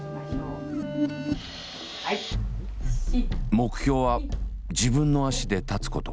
目標は自分の足で立つこと。